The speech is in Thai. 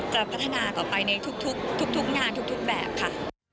จะพัฒนาต่อไปในทุกงานทุกแบบค่ะ